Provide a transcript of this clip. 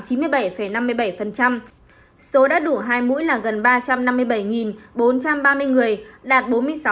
thành phố đã đủ hai mũi là gần ba trăm năm mươi bảy bốn trăm ba mươi người đạt bốn mươi sáu bốn mươi tám